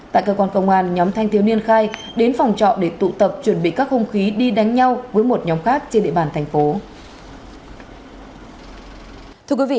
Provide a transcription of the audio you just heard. tại cơ quan công an nhóm thanh thiếu niên khai đến phòng trọ để tụ tập chuẩn bị các hung khí đi đánh nhau với một nhóm khác trên địa bàn thành phố